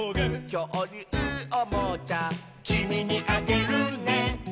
「きょうりゅうおもちゃ」「きみにあげるね」